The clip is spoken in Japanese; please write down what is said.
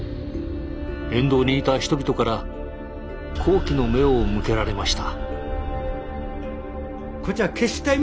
沿道にいた人々から好奇の目を向けられました。